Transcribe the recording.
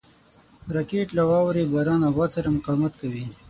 راکټ له واورې، باران او باد سره مقاومت کوي